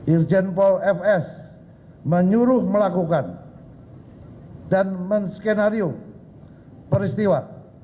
irjen paul fs menyuruh melakukan dan men skenario peristiwa